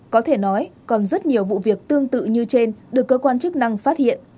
có thể nói còn rất nhiều vụ việc tương tự như trên được cơ quan chức năng phát hiện